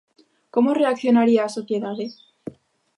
Como reaccionaría a sociedade?